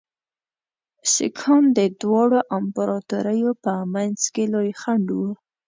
سیکهان د دواړو امپراطوریو په منځ کې لوی خنډ وو.